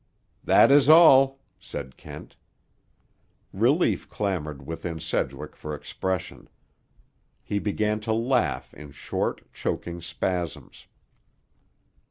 "That is all," said Kent. Relief clamored within Sedgwick for expression. He began to laugh in short choking spasms.